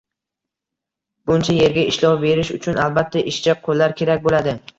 —Buncha yerga ishlov berish uchun, albatta, ishchi qo‘llar kerak bo‘ladi.